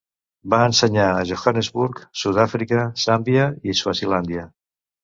Va ensenyar a Johannesburg, Sud-àfrica, Zàmbia, Swazilàndia.